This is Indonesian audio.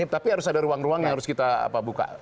tapi harus ada ruang ruang yang harus kita buka